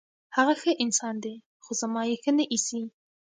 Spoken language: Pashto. هغه ښه انسان دی، خو زما یې ښه نه ایسي.